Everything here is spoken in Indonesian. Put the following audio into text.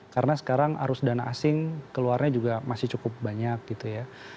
karena sekarang arus dana asing keluarnya juga masih cukup banyak gitu ya